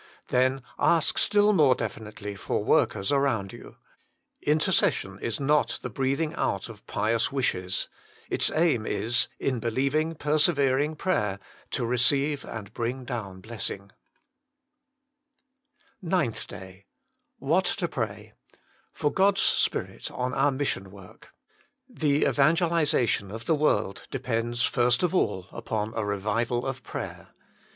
Then ask still more definitely for workers around you. Intercession is not the breathing out of pious wishes ; its aim is, in believing, persevering prayer, to receive and bring down blessing. 81 ECIAL PETITIONS THE MINISTRY OF INTERCESSION NINTH DAY WHAT TO PRAY. |For (Soft s Spirit on onr fRissioit tffijorh "The evangelisation of the world depends first of all upon a revival of prayer.